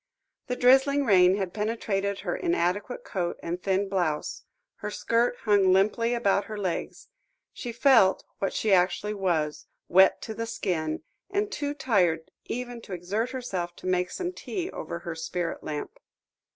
The drizzling rain had penetrated her inadequate coat and thin blouse; her skirt hung limply about her legs; she felt, what she actually was, wet to the skin, and too tired even to exert herself to make some tea over her spirit lamp.